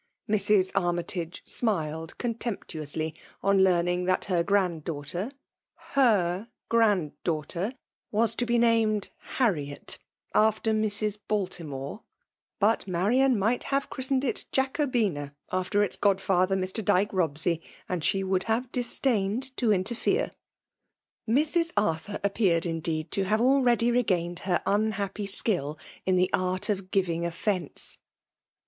Mrs. Armytage smiled contemptuously on learning that her grand daughter — her grand daughter,— ^was to be named Harriet, after Mrs. Baltimore; — but Marian might have christened it Jacobina, after its godfather, Mr. Dyke Bobsey, and she would have disdained to interfere. Mrs. Arthur appeared, indeed, to have already regained her unhappy skill in the art of giving offence.